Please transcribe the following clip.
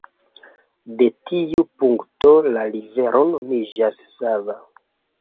De tiu punkto la rivero nomiĝas Sava.